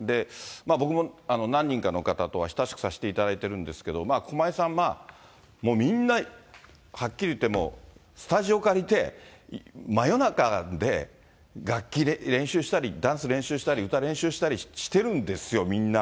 僕も何人かの方とは親しくさせていただいているんですけど、駒井さん、もうみんな、はっきりいってスタジオ借りて、真夜中で楽器練習したりダンス練習したり、歌練習したりしてるんですよ、みんな。